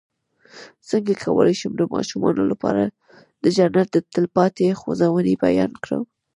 څنګه کولی شم د ماشومانو لپاره د جنت د تل پاتې ځوانۍ بیان کړم